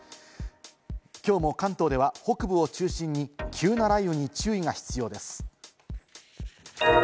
きょうも関東では北部を中心に急な雷雨に注意が必要です。